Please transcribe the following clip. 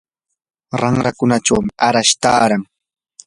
ranrakunachawmi arash taaran.